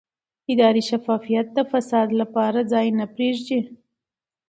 اداري شفافیت د فساد لپاره ځای نه پرېږدي